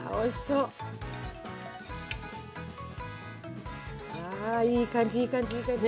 うわいい感じいい感じいい感じ。